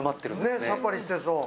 さっぱりしてそう。